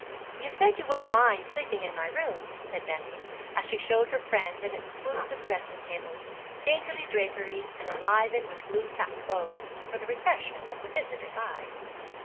'You said you wouldn't mind sleeping in my room,' said Bessie, as she showed her friend an exclusive dressing table, daintily draperied, and enlivened with blue satin bows, for the refreshment of the visitor's eye.